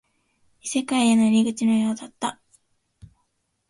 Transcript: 異世界への入り口のようだった